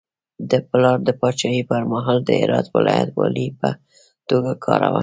د پلار د پاچاهي پر مهال د هرات ولایت والي په توګه کار کاوه.